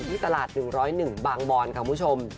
ที่ตลาด๑๐๑บางบอนค่ะคุณผู้ชม